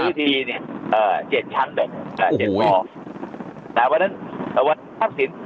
ซื้อทีเนี้ยเอ่อเจ็ดชั้นแบบนี้อ๋อแต่เพราะฉะนั้นประวัติภาพสินต์